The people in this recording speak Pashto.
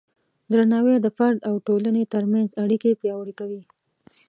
درناوی د فرد او ټولنې ترمنځ اړیکې پیاوړې کوي.